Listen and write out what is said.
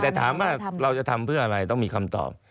แต่ถามว่าเราจะทำเพื่ออะไรต้องมีคำตอบ